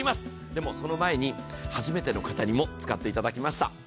でも、その前に初めての方にも使っていただきました。